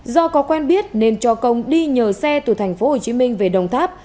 do có quen biết nên cho công đi nhờ xe từ tp hcm về đồng tháp